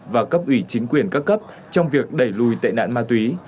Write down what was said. và cấp ủy chính quyền các cấp trong việc đẩy lùi tệ nạn ma túy